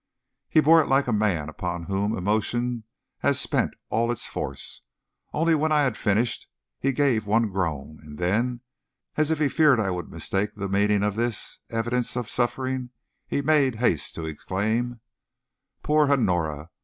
He bore it like a man upon whom emotion has spent all its force; only, when I had finished, he gave one groan, and then, as if he feared I would mistake the meaning of this evidence of suffering, he made haste to exclaim: "Poor Honora!